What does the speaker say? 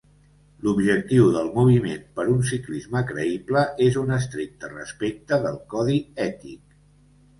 L'objectiu del Moviment per un ciclisme creïble és un estricte respecte del codi ètic.